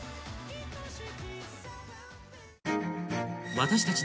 私たち